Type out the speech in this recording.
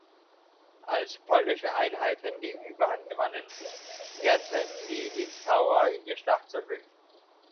Als polnische Einheiten die Überhand gewannen, kehrten die Litauer in die Schlacht zurück.